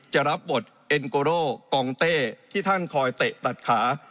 จะรับบทเอ็นโกโร่กองเต้ที่ท่านคอยเตะตัดขา